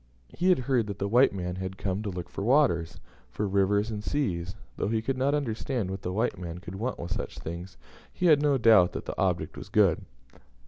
He had heard that the white man had come to look for waters, for rivers, and seas; though he could not understand what the white man could want with such things, he had no doubt that the object was good.